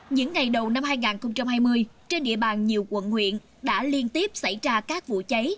những ngày đầu năm hai nghìn hai mươi trên địa bàn nhiều quận huyện đã liên tiếp xảy ra các vụ cháy